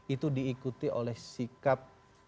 itu diikuti oleh sikap